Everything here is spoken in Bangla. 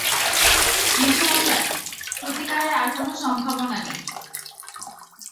মেসোমশায়, প্রতিকারের আর কোনো সম্ভাবনা নেই।